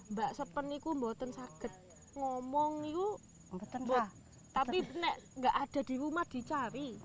mereka juga bukan disenuhkih lagi lagi